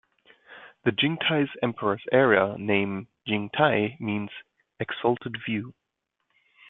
The Jingtai Emperor's era name, "Jingtai", means "Exalted View".